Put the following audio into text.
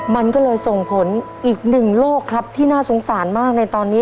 มันก็เลยส่งผลอีกหนึ่งโรคครับที่น่าสงสารมากในตอนนี้